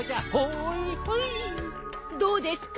どうですか？